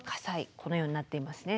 このようになっていますね。